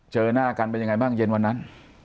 เจอหน้ากันเป็นยังไงบ้างเย็นวันนั้น